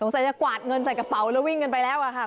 ใส่จะกวาดเงินใส่กระเป๋าแล้ววิ่งกันไปแล้วอะค่ะ